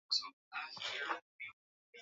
ya msitu huo siyo vya kutengenezwa bali